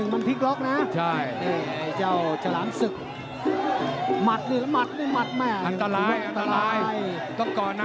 ๘๙๑มันพิกล็อกนะ